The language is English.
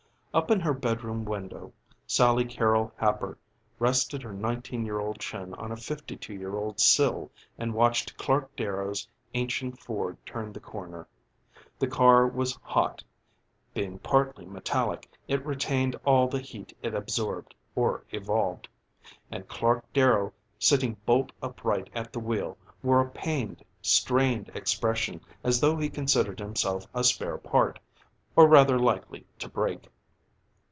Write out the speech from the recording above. Up in her bedroom window Sally Carrol Happer rested her nineteen year old chin on a fifty two year old sill and watched Clark Darrow's ancient Ford turn the corner. The car was hot being partly metallic it retained all the heat it absorbed or evolved and Clark Darrow sitting bolt upright at the wheel wore a pained, strained expression as though he considered himself a spare part, and rather likely to break.